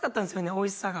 おいしさが。